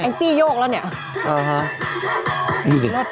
จี้โยกแล้วเนี่ย